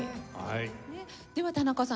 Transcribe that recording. では田中さん